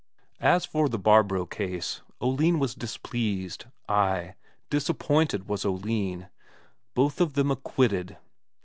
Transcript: As for that Barbro case, Oline was displeased, ay, disappointed was Oline. Both of them acquitted!